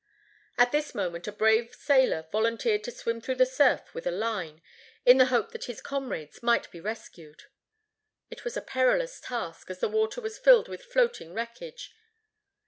At this moment a brave sailor volunteered to swim through the surf with a line, in the hope that his comrades might be rescued. It was a perilous task, as the water was filled with floating wreckage.